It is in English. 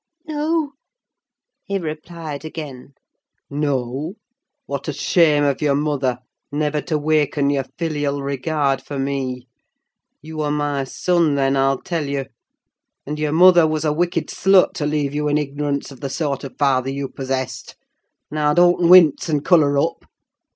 "No," he replied again. "No! What a shame of your mother, never to waken your filial regard for me! You are my son, then, I'll tell you; and your mother was a wicked slut to leave you in ignorance of the sort of father you possessed. Now, don't wince, and colour up!